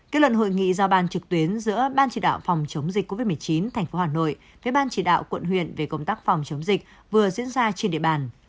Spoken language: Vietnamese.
kết luận hội nghị giao ban trực tuyến giữa ban chỉ đạo phòng chống dịch covid một mươi chín tp hà nội với ban chỉ đạo quận huyện về công tác phòng chống dịch vừa diễn ra trên địa bàn